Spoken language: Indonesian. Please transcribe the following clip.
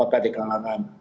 atau di kalangan